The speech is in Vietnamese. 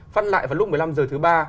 phát lại vào lúc một mươi năm h thứ ba